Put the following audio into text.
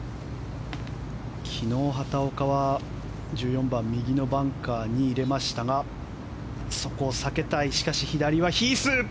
昨日、畑岡は１４番右のバンカーに入れましたがそこを避けたい。